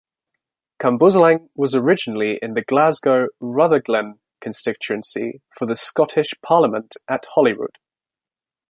Cambuslang was originally in the Glasgow Rutherglen Constituency for the Scottish Parliament at Holyrood.